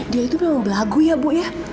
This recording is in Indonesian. dia itu memang beraguyah bu ya